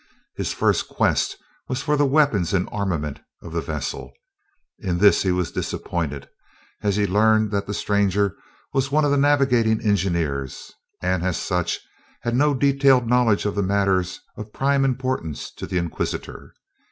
His first quest was for the weapons and armament of the vessel. In this he was disappointed, as he learned that the stranger was one of the navigating engineers, and as such, had no detailed knowledge of the matters of prime importance to the inquisitor.